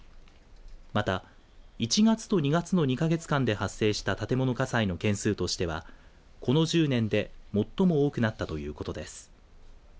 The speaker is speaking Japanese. また、１月と２月の２か月間で発生した建物火災の件数としては、この１０年で最も多くなったということです。